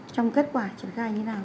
trong kết quả triển khai như nào